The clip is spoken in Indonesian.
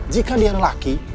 jika dia lelaki